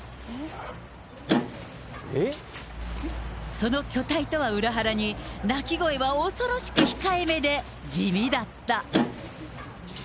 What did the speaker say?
その巨体とは裏腹に、鳴き声は恐ろしく控えめで地味だった。